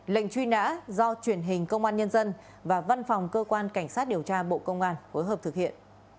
lệnh truy nã do truyền hình công an nhân dân và văn phòng cơ quan cảnh sát điều tra bộ công an hối hợp thực hiện